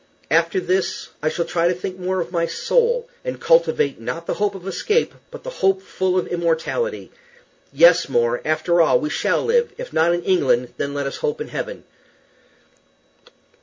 After this I shall try to think of my soul, and cultivate, not the hope of escape, but the hope full of immortality. Yes, More, after all we shall live, if not in England, then, let us hope, in heaven."